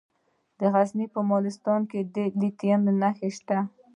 د غزني په مالستان کې د لیتیم نښې شته.